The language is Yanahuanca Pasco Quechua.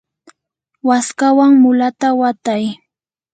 waskawan mulata watay.